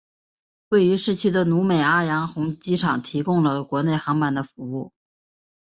位于市区的努美阿洋红机场提供了国内航班的服务。